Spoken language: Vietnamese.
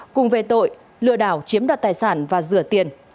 cùng về tội lừa đảo chiếm đoạt tài sản và rửa tiền